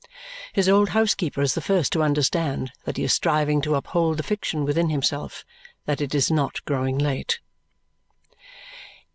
His old housekeeper is the first to understand that he is striving to uphold the fiction with himself that it is not growing late.